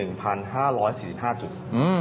อื้มอีกประมาณสัก๒๐จุด